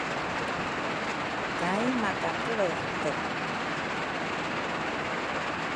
Kai makakelrete